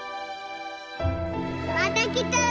また来たら。